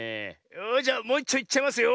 よしじゃもういっちょいっちゃいますよ！